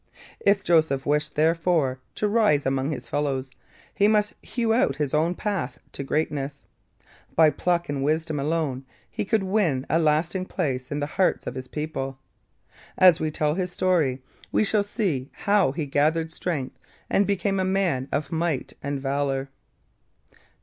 If Joseph wished, therefore, to rise among his fellows, he must hew out his own path to greatness. By pluck and wisdom alone could he win a lasting place in the hearts of his people. As we tell his story, we shall see how he gathered strength and became a man of might and of valour.